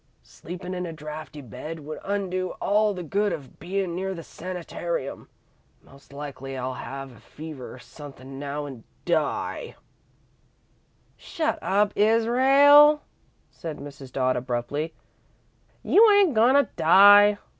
Sleepin' in a drafty bed would undo all the good of bein' near the sanitarium. Most likely I'll have a fever or sunthin' now an' die." "Shut up, Israel," said Mrs. Dodd, abruptly. "You ain't goin' to die.